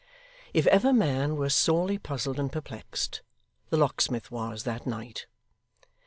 If ever man were sorely puzzled and perplexed, the locksmith was, that night.